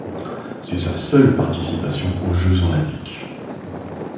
C'est sa seule participation aux Jeux olympiques.